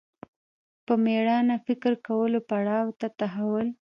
په مېړانه فکر کولو پړاو ته تحول